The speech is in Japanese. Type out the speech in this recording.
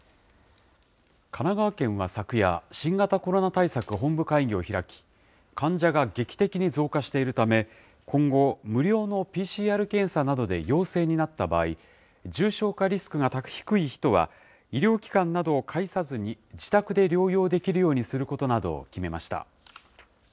神奈川県は昨夜、新型コロナ対策本部会議を開き、患者が劇的に増加しているため、今後、無料のＰＣＲ検査などで陽性になった場合、重症化リスクが低い人は、医療機関などを介さずに、自宅で療養できるようにすることなどを決めました。